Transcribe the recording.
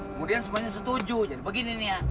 kemudian semuanya setuju jadi begini nih ya